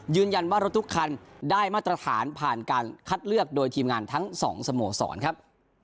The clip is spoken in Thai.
รถทุกคันได้มาตรฐานผ่านการคัดเลือกโดยทีมงานทั้งสองสโมสรครับ